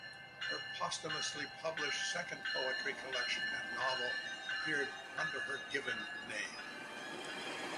Her posthumously published second poetry collection and novel appeared under her given name.